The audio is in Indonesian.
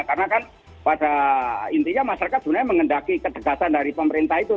karena kan pada intinya masyarakat sebenarnya mengendaki kedekatan dari pemerintah itu